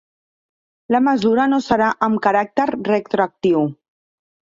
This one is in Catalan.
La mesura no serà amb caràcter retroactiu